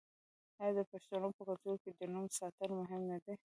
آیا د پښتنو په کلتور کې د نوم ساتل مهم نه دي؟